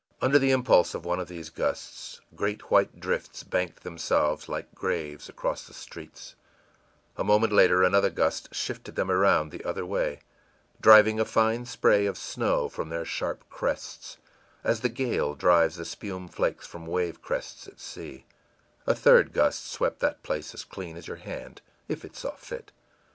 Under the impulse of one of these gusts, great white drifts banked themselves like graves across the streets; a moment later another gust shifted them around the other way, driving a fine spray of snow from their sharp crests, as the gale drives the spume flakes from wave crests at sea; a third gust swept that place as clean as your hand, if it saw fit.